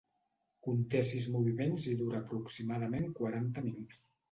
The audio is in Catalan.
Conté sis moviments i dura aproximadament quaranta minuts.